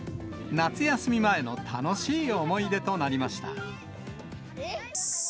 夏休み前の楽しい思い出となりました。